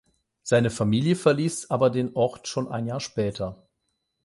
Seine Familie verließ aber den Ort schon ein Jahr später.